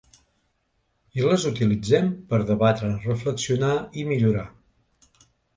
I les utilitzem per debatre, reflexionar i millorar.